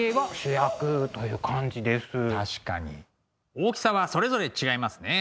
大きさはそれぞれ違いますね。